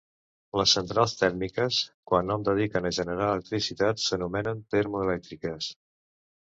Les centrals tèrmiques quan hom dediquen a generar electricitat s'anomenen termoelèctriques.